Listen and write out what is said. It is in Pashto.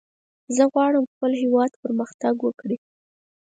زه غواړم خپل هېواد پرمختګ وکړي.